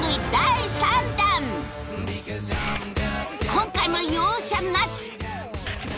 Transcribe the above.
今回も容赦なし！